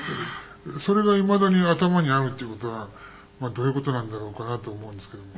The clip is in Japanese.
それがいまだに頭にあるっていう事はどういう事なんだろうかなと思うんですけども。